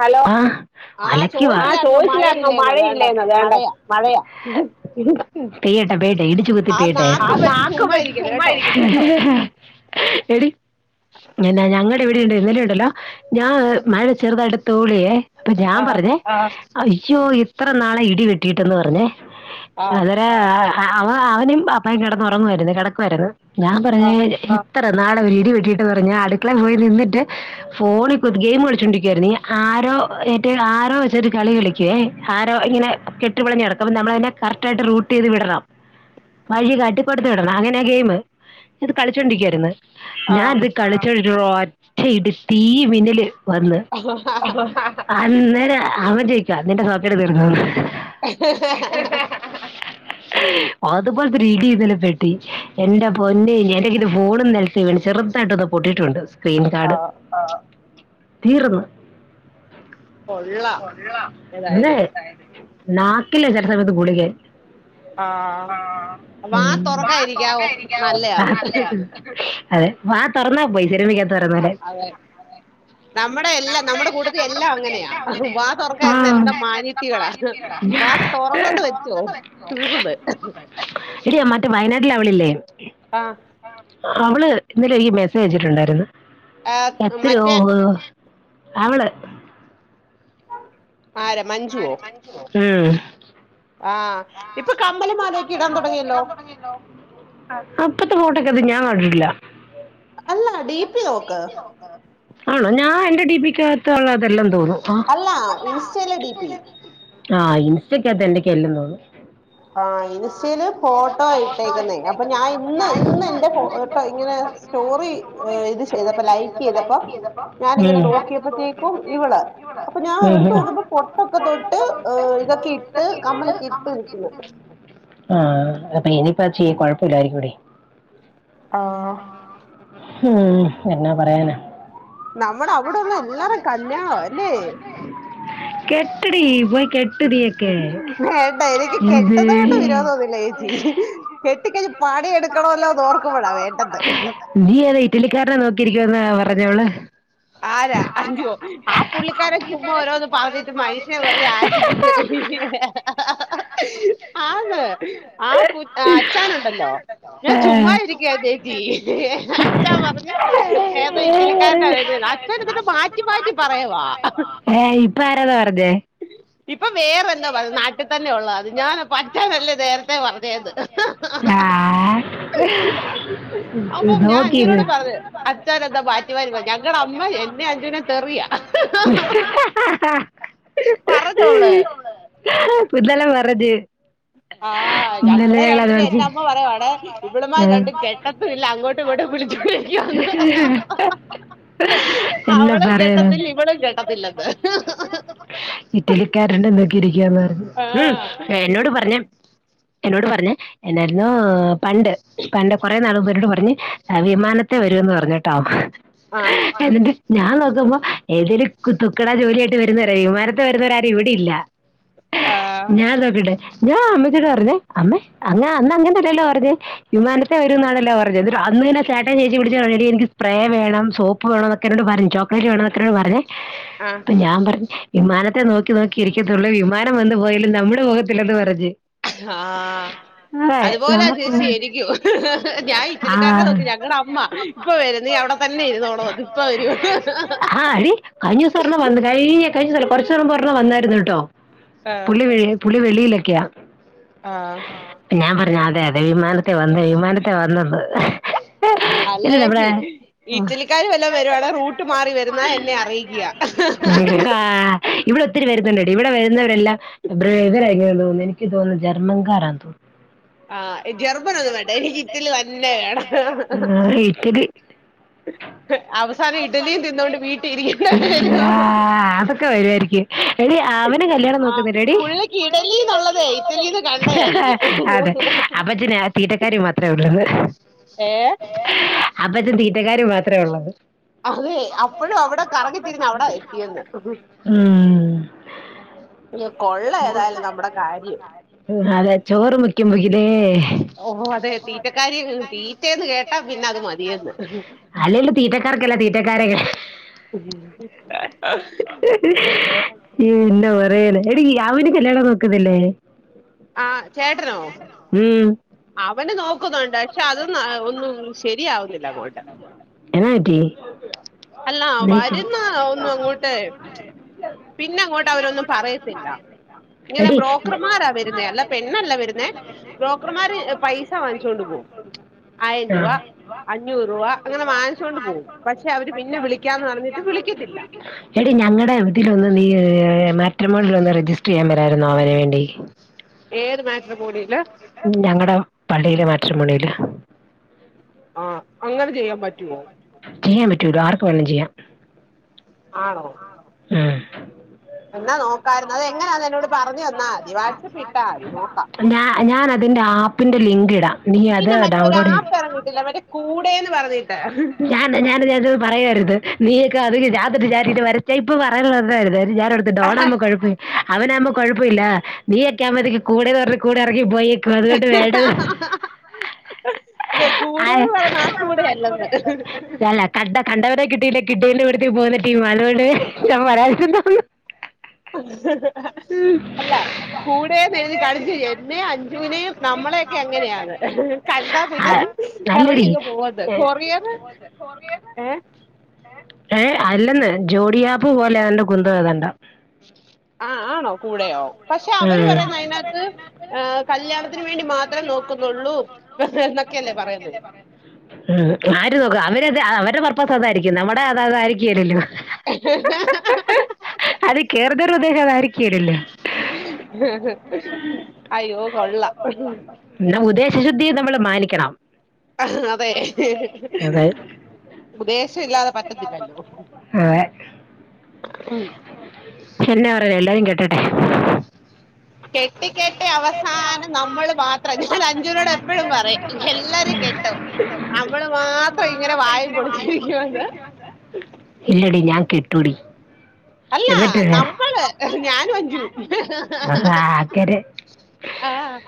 Hello ആഹ് ആഹ് അലക്ക്യുവാ ആഹ് ചോദിച്ചില്ലായിരുന്നോ മഴയില്ലേന്ന് അതേണ്ട മഴയില്ലേന്നോ അതോണ്ട മഴയാ പെയ്യട്ടെ പെയ്യട്ടെ ഇടിച്ച് കുത്തി ആ പെയ്യട്ടെ ആ നാക്കും നാക്ക് ചുമ്മാ വെച്ച് ഇരിക്കല്ല് കേട്ടോ ചുമ്മായിരി എടി എന്നാ ഞങ്ങടെ ഇവടിണ്ട് ഇന്നലുണ്ടല്ലോ ഞാ മഴ ചെറ്തായിട്ട് തോളിയേ അപ്പൊ ഞാം ആഹ് പർഞ്ഞ് അയ്യോ എത്ര നാളായി ഇടി വെട്ടിട്ടെന്ന് പറഞ്ഞേ ആഹ് അതരെ ആ അവ അവനും അപ്പായും കെടന്ന് ഒറങ്ങുവായിര്ന്നേ കെടക്കുവായ്ര്ന്ന് ഞാം പർഞ്ഞ് ആഹ് [unintelligible] ത്ര നാളായി ഒരിടി വെട്ടീട്ട് പർഞ്ഞേ അട്ക്കളെ പോയി നിന്നിട്ട് ഫോണി കുത്ത് ഗെയിമ് കളിച്ചൊണ്ടിരിക്കുവായിര്ന്നു ഞാ ആരോ ഏറ്റ ആരോ വെച്ചിട്ട് കളി കളിക്കുവേ ആരോ ഇങ്ങനെ കെട്ടിപളഞ്ഞ് കടക്കും അപ്പോ ഞമ്മളയ്നെ കറക്റ്റായിട്ട് റൂട്ടെയ്ത് വിടണം. വഴി കാട്ടി പൊടത്ത് വിടണം അങ്ങനെ ഗെയ്മ് ഇത് കളിച്ചോണ്ടിരിക്കായിര്ന്ന്. ഞാ ആഹ് ത് കളിചോണ്ടിരിക്കുരൊറ്റെടി തീ മിന്നല് വന്ന്. അന്നേരം അവൻ ചോയ്ക്കാ നിന്റെ സോക്കേട് തീർന്നോന്ന് അത്പോൽത്തൊരിടി ഇന്നലെ പെട്ടി എന്റെ പൊന്നേ എന്റെ കയ്യിന്ന് ഫോണും നൽ ത്ത് വീണ് ചെറ്തായിട്ടൊന്ന് പൊട്ടിട്ടുണ്ട് സ്ക്രീൻ കാർഡ് ആഹ് തീർന്ന് കൊള്ളാം ന്നെ ഏതായാലും നാക്കിലേ ചെല സമയത്ത് ഗുളികെ ആഹ് വാ വാ തുറക്കായിരിക്കാവോ തൊറക്കായിരിക്കവോ നല്ലയാ അത് നല്ലയാ അതെ വാ തൊറന്നാ പോയി ശരിമിക്ക ആഹ് അതെ നമ്മടെ യെല്ലാം നമ്മടെ കൂട്ടത്തി യെല്ലാം അങ്ങ നെയാ വാ തൊറക്കായിര്ന്ന ആ എന്താ മാന്യത്തികളാ വാ തൊറന്നത് വെച്ചോ തീർന്നു എടി ആ മറ്റേ വയനാട്ടിലെ അവളില്ലേ ആ ഉം അവള് ഇന്നലും ഈ മെസ്സേജ് വച്ചിട്ടുണ്ടായിരുന്നു ആഹ് എത്തിയോ മറ്റേ അവള് ആരാ മഞ്ജുവോ മഞ്ജുവോ ഉം ആഹ് ഇപ്പൊ കമ്മലുംമാലക്കെ ഇടാൻ തുടങ്ങിയല്ലോ ഹെലോ അപ്പത്തെക്കെ ഫോട്ടൊക്കെറി ഞാൻ കണ്ടിട്ടില്ല അല്ല ഡി പി നോക്ക് ആണോ ഞാൻ എന്റെ ഡിപിക്കാത്ത് അവള് അതല്ലെന്നു തോന്നും ആ അല്ല ഇൻസ്റ്റയിലെ ഡി പി ആഹ് ഇൻസ്റ്റക്കകത്ത് എന്തെക്കെ ഇല്ലെന്നു തോന്നുന്നു ആ ഇൻ സ്റ്റയില് ഫോട്ടോ ഇട്ടേക്കുന്നേ അപ്പൊ ഞാൻ ഇന്ന് ഇന്ന് എന്റെ ഫോട്ടോ ഇങ്ങനെ സ്റ്റോറി ഇത് ചെയ്തപ്പോ ലൈക്ക് ചെയ്തപ്പം ഞാനിങ്ങനെ ഉം, നോക്കിയപ്പോത്തേക്കും ഇവള് അപ്പൊ ഞാൻ ഉം, ഒരടത്ത് ഉം. നോക്കിപ്പോ പൊട്ടൊക്കെ തൊട്ട് ഇതൊക്കെ ഇട്ട് കമ്മലൊക്കെ ഇട്ട് നിക്ക്ന്നു ആഹ് അപ്പ ഇനി പക്ഷേ ഈ കൊഴപ്പല്ലായിരിക്കു ടീ ആ ഉം ഹ് എന്നാ പറയാനാ നമ്മുടെ അവിടുള്ള എല്ലാരേം കല്യാണവാ അല്ലേ കെട്ടടി പോയി കെ വേണ്ടാ എനിക്ക് ഇത് കെട്ടുന്നത് കൊണ്ട് വിരോധമൊന്നുല്ല ജീ കെട്ടിക്കഴിഞ്ഞ് പണിയെടുക്കണ ല്ലോന്ന് ഓർക്കുമ്പോഴാ വേണ്ടന്ന് നീ ഏതോ ഇറ്റലിക്കാരനെ നോക്കിയിരിക്കുവെന്ന് പറഞ്ഞോള് ആരാ അഞ്ചുവോ ആ പുള്ളിക്കാരൻ ചുമ്മാ ഓരോന്ന് പറഞ്ഞിട്ട് മനുഷ്യനെ വെറുതെ ആ ശിപ്പിച്ച് ആന്ന് ആ പു അച്ചാനുണ്ടല്ലോ ഞാൻ ചുമ്മാ ഇരിക്കുവാ ചേച്ചി അച്ഛാ പറഞ്ഞു ഏതോ ഇറ്റലിക്കാരനാ വെ തേതാ അച്ഛൻ എന്നിട്ട് മാറ്റി ആ. മാറ്റി പറയു വാ ഏ ഇപ്പൊ ആരാ പറഞ്ഞേ ഇപ്പൊ വേറെന്താ പറഞ്ഞേ നാട്ടിൽത്തന്നെ ഉള്ളതാ ഞാൻ അപ്പ അച്ച നല്ലേ നേരത്തെ പറഞ്ഞെന്നു ആ അപ്പം ഞാൻ നോക്കിത് അഞ്ജുനോട് പറഞ്ഞു അച്ഛൻ എന്താ മാറ്റി മാറ്റി പറഞ്ഞു ഞങ്ങളുടെ അമ്മ എന്നെ അഞ്ജുനെ തെറിയാ [unintelligible] [inaudible] പറഞ്ഞോ അവള് ഇന്നലെ പറഞ്ഞ് ആഹ് ഇന്നലെ ഞങ്ങളെ ഞങ്ങൾ അത് രണ്ടിനേ എന്റെ പറഞ്ഞ് അമ്മ പറയുവണെ ഇവള്മാര് രണ്ടും കെട്ടത്തും ഇല്ല അങ്ങോട്ടും ഇങ്ങോട്ടും വിളിച്ചോണ്ടിരിക്കുവാന്ന് എല്ലാം അവളും കെട്ടത്തില്ല പറയാനു ഇവളും കെട്ടത്തില്ലെന്ന് ഇറ്റലിക്കാരുണ്ട് നോക്കി ഇരിക്കാന്ന് ഉം ആഹ് ഇത് എന്നോട് പറഞ്ഞെ എന്നോട് പറഞ്ഞ് എന്നായിരുന്നു പണ്ട് പണ്ട് കൊറെ നാള് മുമ്പ് എന്നോട് പറഞ്ഞ് ച്ചാവിമാനത്തേ വരൂന്ന് പറഞ്ഞ്ട്ടോ ആ എന്നിട്ട് ഞാൻ നോക്കുമ്പോ ഏതേലും തു തുക്കടാ ജോലിയായിട്ട് വരുന്നവരാ വിമാനത്ത് വരുന്നവരാരും ഇവിടെ ഇല്ല ആഹ് ഞാൻ നോക്കട്ടെ ഞാൻ അമ്മച്ചോട് പറഞ്ഞേ അമ്മേ അങ്ങ് അന്ന് അങ്ങനല്ലല്ലോ ത്തടേ വിമാനത്തെ വരും എന്നാണല്ലോ പറഞ്ഞത് അന്ന്തന്നേ ചേട്ടയും ചേച്ചിം വിളിച്ച് പറഞ്ഞെ എടി എനിക്ക് സ്പ്രേ വേണം സോപ്പ് പ്പ് വേണം എന്നൊക്കെന്നോട് പറഞ്ഞു ചോക്ലേറ്റ് വേണന്നൊക്കെത്രേ പറഞ്ഞേ ആഹ് അപ്പൊ ഞാൻ പറഞ്ഞെ വിമാനത്തെ നോക്കി നോക്കി ഇരിക്കത്തുള്ളൂ വിമാനം വന്ന് പോയാലും നമ്മുടെപോകത്തില്ലെന്നു പറഞ്ഞ് ഹാആ അതെ അതുപോലെ നമുക്ക് ചേച്ച് ച്ചി ഇരിക്കുവാ ഞാൻ ആ ഇറ്റലിക്കാരനെ നോക്കി ഞങ്ങടെ അമ്മ ഇപ്പൊ വരുംനീ അവിടെ തന്നെ ഇരുന്നോളൂന്ന് ഇപ്പ വരും ആ അടി കഴിഞ്ഞ ദിവസം ഒരെണ്ണം വന്നു കഴി കഴിഞ്ഞല്ല കുറച്ചീസം മുന്നേ ഒരെണ്ണം വന്നായിരുന്നു കേട്ടോ ആഹ് പുള്ളി വെ പുള്ളി വെളീയിലൊക്കെയാ ആഹ് പ്പ ഞാൻ പറഞ്ഞു അതെ അതെ വിമാനത്തെ വന്ന് വിമാനത്തെ വന്നെന്ന് അല്ല ച്ചിലി നമ്മടെ ചേച്ചി ഹാ ഇറ്റലിക്കാര് വല്ലോം വരാണെങ്കിൽ റൂട്ട് മാറി വന്നാലേ അറിയിക്യാ ആഹ് ഇവിടെ ഒത്തിരി വരുന്നുണ്ടടീ ഇവിടെ വരുന്നവരെല്ലാം [unintelligible] എനിക്ക് തോന്ന് ജർമ്മൻകാരാന്നു തോന്നുന്നു ആഹ് ജർമ്മൻ ഒന്നും വേണ്ടേ ഇറ്റലി തന്നെ വേണം ആഹ് ഇറ്റലി അവസാനം ഇഡലിയും ഇഡ്ഡലി തിന്നോണ്ട് വീട്ടിൽ തിന്നൊണ്ട് ഇരിക്കേണ്ട വരും വീട്ടിലിരിക്കാം അതൊക്കെ വരുവായിരിക്കും എടി അവനു കല്യാണം ആ നോക്കുന്നില്ലെടി പുള്ളിക്ക് ഇഡലിന്നുള്ളതേ ഇറ്റലിന്ന് [unintelligible] കണ്ടയായിരിക്കും അതെ അപ്പച്ചന് ആ തീറ്റകാര്യം മാത്രേ ഒള്ളന്ന് ഏഹ് അപ്പച്ചന് തീറ്റക്കാര്യം മാത്രേ ഒള്ളന്ന് അതെ [unintelligible] അപ്പോഴും അവിടെ അപ്പോളും അവടെ കറങ്ങിത്തിരിഞ്ഞ് അവിടെ കറങ്ങി എത്തിയെന്ന് [unintelligible] ആഹ് യ്യോ കൊള്ള ഏതായാലും നമ്മുടെ കാര്യം അതെ ചോറ് മുഖ്യം ബിഗിലേ ഓഹ് ഓഹ് അതെ തീറ്റക്കാരി തീറ്റെന്ന് കേട്ടാ പിന്നെ അത് മതിയന്ന് അല്ലേലും തീറ്റക്കാർക്കെല്ലാം തീറ്റക്കാരെ അയ്യോ ഇയ്യോ എന്നാ പറയാനാ എടീ അവന് കല്യാണം നോക്കുന്നില്ലേ ആഹ് ചേട്ടനോ ഉം അവന് നോക്കുന്നൊണ്ട് പക്ഷെ അത ഒന്നും ശരിയാവുന്നില്ല അങ്ങോട്ട് എന്നാ പറ്റി അല്ലാ അല്ല വരുന്ന ഒന്നും വരുന്നതൊന്നും അങ്ങോട്ട് അങ്ങോട്ട് പിന്നെ അങ്ങോട് അവരൊന്നും പറയുന്നില്ല ഇങ്ങനെ എടി ബ്രോക്കർമാർ ആ വരുന്നെ അതാ ഏഹ് ബ്രോക്കർമാര് പൈസ വാങ്ങിച്ചോണ്ട് പോകും ആയിരം ആ രൂപ അഞ്ഞൂറ് രൂപ അങ്ങനെ വാങ്ങിച്ചോണ്ട് പോകും പക്ഷെ അവര് പിന്നെ വിളി ക്കാന്ന് പറഞ്ഞിട്ട് വിളിക്കത്തില്ല എടി ഞങ്ങളുടെ ഇതിലൊന്ന് നീ മാട്രിമോണിലൊന്ന് രജിസ്റ്റർ ചെയ്യാൻ മേലാരുന്നോ അവന് വേണ്ടി ഏത് മാട്രിമോണില് ഞങ്ങടെ പള്ളിയിലെ മാട്രിമോണില് ആഹ് അങ്ങനെ ചെയ്യാൻ പറ്റുവോ ചെയ്യാൻ പറ്റുവല്ലോ ആർക്ക് വേണേലും ചെയ്യാം ആണോ ആഹ് എന്നാ നോക്കാരുന്നു അത് എങ്ങനാന്ന് എന്നോട് പറഞ്ഞ് തന്നാതി വാട്സാപ്പിഇട്ടാതി നോക്കാം ഞാ ഞാനതിന്റെ ആപ്പിന്റെ ലിങ്ക് ഇടാം നീ അത് പിന്നെ മറ്റേ ഒരു ഡൗൺലോഡ് ചെയ്യ് ആപ്പ് ഇറങ്ങിയിട്ടില്ലേ മറ്റേ കൂടെന്ന് പറഞ്ഞിട്ട് [unintelligible] പറയുവാരുന്നു [unintelligible] ഡോണാകുമ്പോ കൊഴപ്പയില്ല അവനാവുമ്പ കൊഴപ്പയില്ല നീ എക്കെ ആകുമ്പത്തേക്ക് കൂടെന്നു പറഞ്ഞു കൂടെ എറങ്ങി പോയി അതുകൊണ്ട് വേണ്ടത് ആഹ് കൂടെയല്ലന്ന് [unintelligible] കണ്ട കണ്ടവരെ കിട്ടിയില്ല കിട്ടിയവൻ്റെക്കൂട്ടത്തി പോകുന്നടീമാ അതുകൊണ്ട് [unintelligible] അല്ല കൂടെന്നെഴുതി കാണിച്ചു എന്നേ അഞ്ചുവിനേം നമ്മളെയൊക്കെ അങ്ങനെയാണ് കണ്ടാ ആ പിന്നെ എറങ്ങിയങ്ങ് പോവന്നു [unintelligible] [unintelligible] കൊറിയന്നു തന്നെല്ലേ ഏഹ് അല്ലന്ന് ജോടിയാപ്പ് പോലെ ഏതാണ്ട് കുന്തം ഏതാണ്ട ആഹ് ആണോ കൂടെയോ പക്ഷെ അവര് ഉം. പറയുന്ന അതിനകത്ത് കല്യാണ ത്തിന് വേണ്ടി മാത്രേ നോക്കുന്നൊള്ളൂ എന്നൊക്കെയല്ലേ പറയുന്നെ ഉം ആര് നോക്കും അവരത് അവരുടെ പർപ്പസ് അതായിരിക്കും നമ്മുടെ അത അതായിരിക്കുകേലല്ലോ [unintelligible] കേറുന്നൊരു ഉദ്ദേശം അതായിരിക്കില്ലല്ലോ അയ്യോ കൊള്ളാം എടാ ഉദേശശുദ്ധിയെ നമ്മള് മാനിക്കണം ആഹ് അതെ അതെ ഉദ്ദേശം ഇല്ലാതെ പറ്റത്തില്ലല്ലോ ഉം എന്നാ പറയാ എല്ലാരും കെട്ടട്ടെ കെട്ടിക്കെട്ടി കെട്ടികെട്ടി നമ്മള് അവസാനം നമ്മള് ഞാൻ മാത്രം അഞ്ജുനോട് എപ്പഴും പറയും എല്ലാരും കെട്ടും [unintelligible] നമ്മള് മാത്രം ഇങ്ങനെ വായും പൊളിച്ച് നിക്കുവാന്ന് ഇല്ലടി ഞാൻ കെട്ടൂവടി അല്ല നമ്മള് ഞാനും അഞ്ചുവും അങ്ങനെ ആഹ്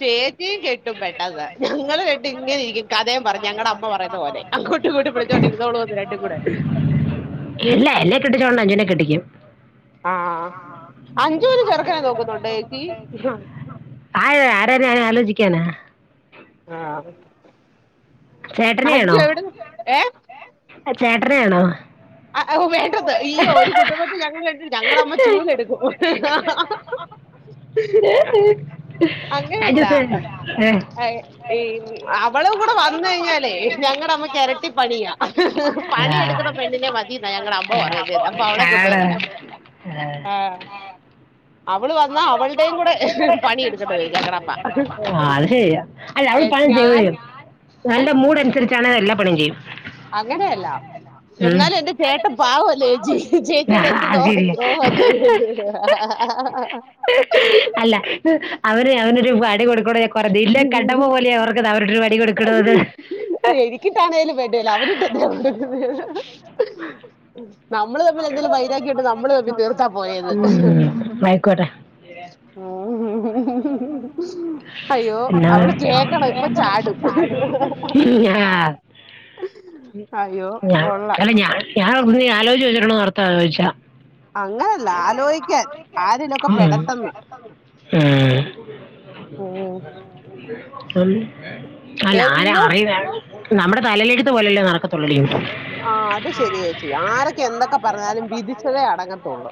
ചേച്ചിയും കെട്ടും പെട്ടെന്ന് ഞങ്ങള് കേട്ട് ഇങ്ങനെ ഇരിക്കും കഥയും പറഞ്ഞു ഞങ്ങടെ അമ്മ പറയുന്ന പോലെ അങ്ങോട്ടും ഇങ്ങോട്ടും വിളിച്ചോണ്ട് ഇരുന്നോളും രണ്ടും കൂടെ ഇല്ല എന്ന കെട്ടിച്ചോണ്ട് അഞ്ചൂനെ കെട്ടിക്കും ആഹ് അഞ്ജുന് ചെറുക്കനെ നോക്കുന്നുണ്ടോ ചേച്ചി ആ ആരാന്ന് ഞാൻ ആലോചിക്കാന്ന് ആ അച് എവിടെ ഏഹ് ചേട്ടനയാണോ ഓഹ് വേണ്ടത് അയ്യോ ഒരു കുടുംബത്തിൽ ഞങ്ങൾ രണ്ടും ഞങ്ങടമ്മ ചൂലെടുക്കും കഴിഞ്ഞുസം ഏഹ് ഏഹ് ഈ അവളും കൂടെ വന്ന് കഴിഞ്ഞാലേ ഞങ്ങടമ്മ ട്ടി പണിയാ ആ, പണി എടുക്കുന്ന പെണ്ണിനെ മതി ഞങ്ങട അമ്മ പറയിന്നേന്ന് അപ്പൊ അവളെ ആടാ കൊണ്ടുവരണ്ട ഏ, ആഹ് കൂടെ പണിയെടുക്കേണ്ടത് ഞങ്ങളുടെ അമ്മ ആ അത് ശെരിയാ അല്ല ഏ, അവള് പണി ഞാൻ ചെയ്യും ഏ നല്ല മൂഡ് അനുസരിച്ചാണ് എല്ലാ പണിയും ചെയ്യും അങ്ങനെയല്ല ഉം. എന്നാലും എന്റെ ചേട്ടൻ പാവല്ലേ ചേച്ചിയോട് എന്തു ആ ദ്രോഹവാ ചെയ്തത് ശരിയാ അല്ല അവന് അവനൊരു പണി കൊടുക് നിന്നെ കണ്ടപ്പോൾ മുതലേ ഓർക്കണ് അവർക്കിട്ടൊരു പണി കൊടുക്കണന്ന് എനിക്കിട്ടാണേലും വേണ്ടീല്ല അവനിട്ട് എന്തിനാ കൊടുക്കുന്നെ നമ്മള് തമ്മിൽ തീർത്താ പോരേന്ന് ഉം ആയിക്കോട്ടെ [inaudible] അയ്യോ എന്നാ അവള് കേക്കണം ഇപ്പൊ ചാടും ആഹ് അയ്യോ കൊള്ളാം [unintelligible] അങ്ങനല്ല ആഹ് ആലോചിക്കാൻ ആഹ് ആരിലൊക്കെ പെടട്ടെന്ന് ഉം അല്ല ആരാ എന്നും അറിയുന്നേ നമ്മുടെ തലയിലെഴുട്ട് പോലല്ലേ നടക്കത്തുള്ളൂ ആ അത് ശരിയേച്ചി ആരൊക്കെ എന്തൊക്കെ പറഞ്ഞാലും വിധിച്ചതേ അടങ്ങത്തുള്ളൂ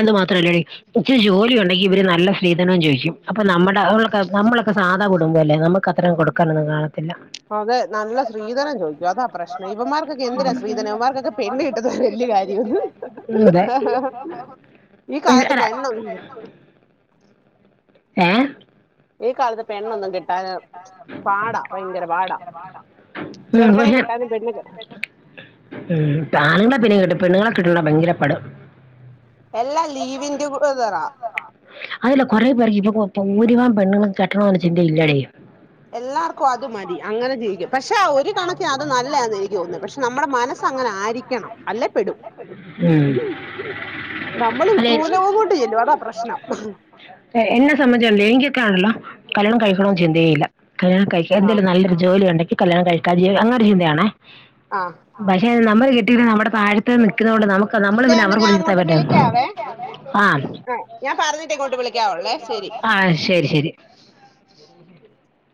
അത് മാത്രം അല്ലടി ഇച്ചിരി ജോലിയുണ്ടെങ്കി ഇവര് നല്ല സ്ത്രീധനവും ചോദിക്കും അപ്പൊ നമ്മുടെ അവരൊക്കെ നമ്മളൊക്കെ സാധാ കുടുംമ്പല്ലേ നമുക്ക് അത്രം ഒന്നും കൊടുക്കാനൊന്നും കാണത്തില്ല അതെ നല്ല ശ്രീധനം ചോദിക്കു അതാ പ്രശ്നം ഇവമാർക്കൊകെ എന്തിനാ ശ്രീധനം ഇവമാർക്കൊകെ പെണ്ണ് കിട്ടത് വലിയ കാര്യം ഉം, അതെ ഈ പക്ഷേ കാലത്ത് അല്ല, പെണ്ണ ഏഹ് ഈ കാലത്ത് പെണ്ണൊന്നും കിട്ടാൻ പാടാ ഭയങ്കര പാടാ [inaudible] ചെറുക്കനെ പക്ഷെ കിട്ടിയാലും പെണ്ണിനെ കി ഉം ആണുങ്ങളെ പിന്നെ കിട്ടും പെണ്ണുങ്ങളെ കിട്ടാനാ ഭയങ്കര പാട് എല്ലാം ലിവിങ് ടുഗതറാ അതില്ല കുറെ പേർക്ക് ഇപ്പൊ ഭൂരിഭാഗം പെണ്ണുങ്ങൾക്ക് കെട്ടണമെന്ന ചിന്ത ഇല്ലാ എല്ലാവർക്കും അത് മതി അങ്ങനെ ജീവിക്കും പക്ഷെ ആ ഒരു കണക്കിന് അത് നല്ലാന്ന് എനിക്ക് തോന്നുന്നു പക്ഷെ നമ്മുടെ മനസ്സ് അങ്ങനെ ആയിരിക്കണം അല്ലെ പെടും ഉം. നമ്മള് അല്ല ട്രൂ ലവ് കൊണ്ട് ചെല്ലും അതാ പ്രശ്നം എന്നെ സംബന്ധിച്ച് എങ്കിക്കൊക്കൊ ഇണ്ടല്ലോ കല്യാണം കഴിക്കണന്ന ചിന്തയേ ഇല്ല കല്യാണം കഴി ആ എന്തേലും നല്ലൊര് ഉണ്ടെങ്കി കല്യാണം കഴിക്കാ അങ്ങനെര് ചിന്തയാണേ ആ പക്ഷെ നമ്പറ് കിട്ടിയിട്ട് നമ്മടെ താഴെത്ത് നിക്ക്ന്നത്കൊണ്ട് നമുക്ക് നമ്മള് പിന്നെ വേണ്ട അവർക്ക് [unintelligible] ഞാൻ അങ്ങോട്ട് വിളിയ്ക്കാവേ വിളിക്കാവേ ആഹ് ആ ഞാൻ പറഞ്ഞിട്ട് ഇങ്ങോട്ട് വിളിക്കാവുള്ളേ ശരി ആഹ് ശെരി ശെരി